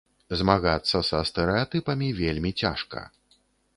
Змагацца са стэрэатыпамі вельмі цяжка.